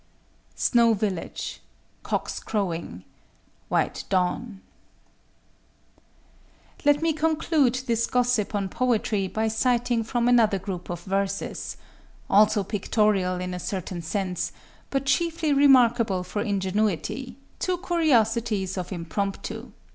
"Snow village;—cocks crowing;—white dawn." Let me conclude this gossip on poetry by citing from another group of verses—also pictorial, in a certain sense, but chiefly remarkable for ingenuity—two curiosities of impromptu.